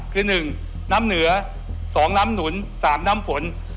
คือ๑น้ำเหนือ๒น้ำหนุน๓น้ำฝน